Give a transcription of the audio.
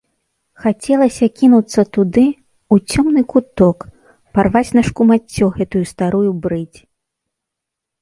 Хацелася кінуцца туды, у цёмны куток, парваць на шкумаццё гэтую старую брыдзь.